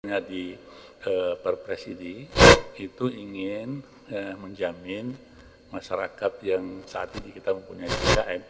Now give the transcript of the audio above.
pada saat ini di perpresidi itu ingin menjamin masyarakat yang saat ini kita mempunyai